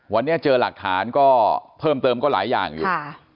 วันนี้เจอหลักฐานก็เพิ่มเติมก็หลายอย่างอยู่